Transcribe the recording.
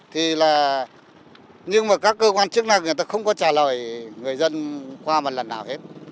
thì là nhưng mà các cơ quan chức năng người ta không có trả lời người dân qua một lần nào hết